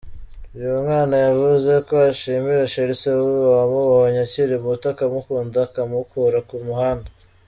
Uyu mwana yavuze ko ashimira Sherrie Silver wamubonye akiri muto ‘akamukunda akamukura ku muhanda’.